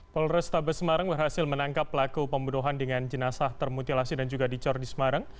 polres tabes semarang berhasil menangkap pelaku pembunuhan dengan jenazah termutilasi dan juga dicor di semarang